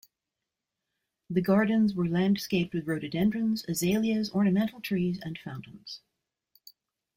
The gardens were landscaped with rhododendrons, azaleas, ornamental trees and fountains.